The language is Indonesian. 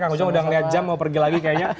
kang ujang udah ngeliat jam mau pergi lagi kayaknya